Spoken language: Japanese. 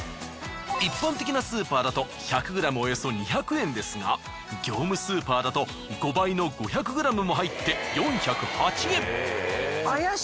一般的なスーパーだと１００ｇおよそ２００円ですが業務スーパーだと５倍の５００ｇも入って４０８円。